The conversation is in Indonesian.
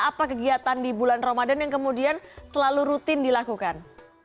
apa kegiatan di bulan ramadan yang kemudian selalu rutin dilakukan